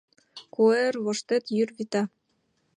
Куэр воштет йӱр вита.